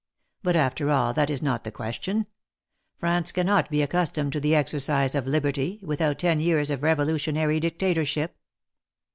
But after all, that is not the question. France cannot be accustomed to the exercise of Liberty, without ten years of Revolutionary dictatorship."